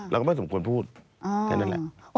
เราก็ไม่สมควรพูดแค่นั้นแหละ